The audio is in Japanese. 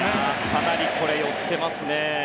かなり寄っていますね。